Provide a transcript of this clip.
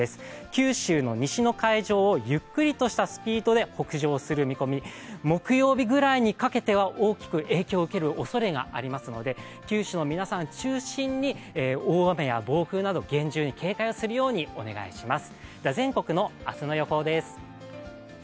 九州の西の海上をゆっくりとしたスピードで北上する見込みで木曜日ぐらいにかけては大きく影響を受けるおそれがありますので九州の皆さん中心に、大雨や暴風など厳重に警戒をするようにお願いします。